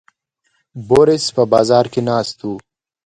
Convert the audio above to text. بوریس په بار کې ناست و.